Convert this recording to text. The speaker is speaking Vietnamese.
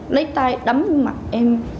lấy tay đấm mặt em